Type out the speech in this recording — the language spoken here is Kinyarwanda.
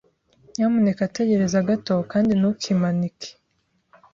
Nyamuneka tegereza gato kandi ntukimanike.